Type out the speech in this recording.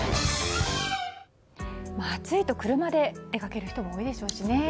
暑いと車で出かける人も多いでしょうしね。